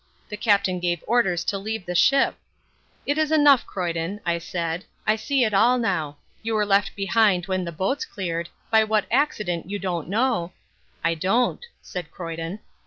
The Captain gave orders to leave the ship " "It is enough, Croyden," I said, "I see it all now. You were left behind when the boats cleared, by what accident you don't know " "I don't," said Croyden.